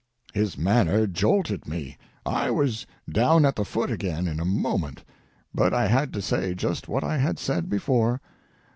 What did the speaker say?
His manner jolted me. I was down at the foot again, in a moment. But I had to say just what I had said before.